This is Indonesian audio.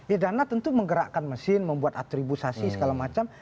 ya dana tentu menggerakkan mesin membuat atribusi segala macam